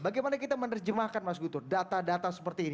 bagaimana kita menerjemahkan mas gutur data data seperti ini